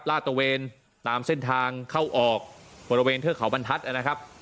ล่าตระเวนตามเส้นทางเข้าออกบริเวณเทือข่าวบรรทัศน์